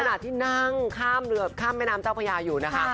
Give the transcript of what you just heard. ขณะที่นั่งข้ามเรือข้ามแม่น้ำเจ้าพญาอยู่นะคะ